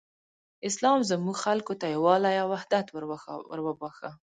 اسلام زموږ خلکو ته یووالی او حدت وروباښه.